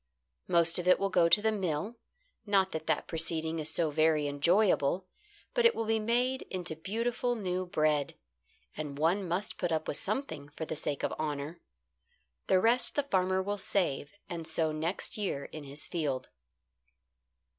Most of it will go to the mill: not that that proceeding is so very enjoyable, but it will be made into beautiful new bread, and one must put up with something for the sake of honour. The rest the farmer will save, and sow next year in his field."